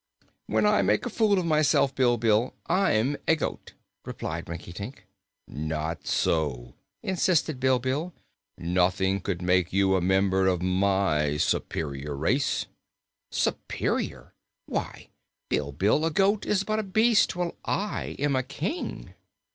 "When I make a fool of myself, Bilbil, I'm a goat," replied Rinkitink. "Not so," insisted Bilbil. "Nothing could make you a member of my superior race." "Superior? Why, Bilbil, a goat is but a beast, while I am a King!"